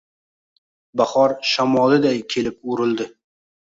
Bahor shamoliday kelib urildi.